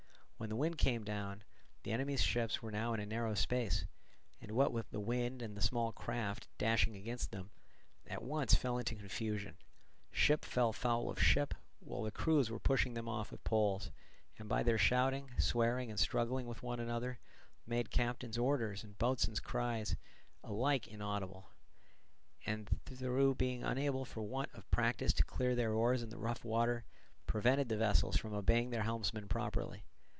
When the wind came down, the enemy's ships were now in a narrow space, and what with the wind and the small craft dashing against them, at once fell into confusion: ship fell foul of ship, while the crews were pushing them off with poles, and by their shouting, swearing, and struggling with one another, made captains' orders and boatswains' cries alike inaudible, and through being unable for want of practice to clear their oars in the rough water, prevented the vessels from obeying their helmsmen properly.